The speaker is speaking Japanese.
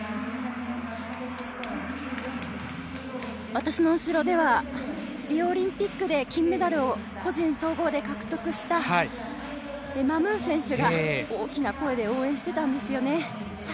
私の後ろではリオオリンピックで金メダルを個人総合で獲得したマムーン選手が大きな声で応援していたんですよね。